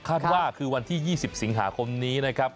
ว่าคือวันที่๒๐สิงหาคมนี้นะครับ